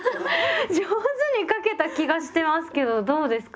上手に書けた気がしてますけどどうですかね？